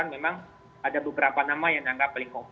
memang ada beberapa nama yang dianggap paling hoax